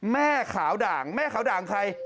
แม่ขาวด่างแม่ขาวด่างใคร